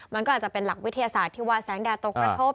มันก็อาจจะเป็นหลักวิทยาศาสตร์ที่ว่าแสงแดดตกกระทบ